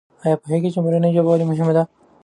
آیا پوهېږې چې مورنۍ ژبه ولې مهمه ده؟